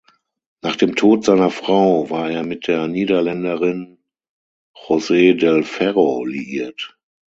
Nach dem Tod seiner Frau war er mit der Niederländerin Jose del Ferro liiert.